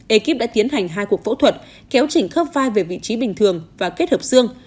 ekip đã tiến hành hai cuộc phẫu thuật kéo chỉnh khớp vai về vị trí bình thường và kết hợp xương